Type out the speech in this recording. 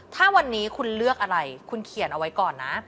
ถ้าวันนี้คุณเลือกอะไรคุณเขียนเอาไว้ก่อนนะ